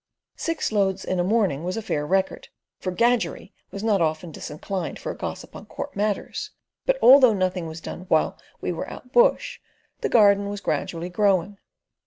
Six loads in a morning was a fair record, for "Gadgerrie" was not often disinclined for a gossip on court matters, but although nothing was done while we were out bush, the garden was gradually growing.